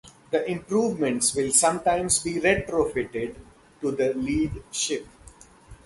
The improvements will sometimes be retrofitted to the lead ship.